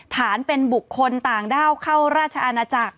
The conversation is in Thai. ฐานเป็นบุคคลต่างด้าวเข้าราชอาณาจักร